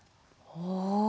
お。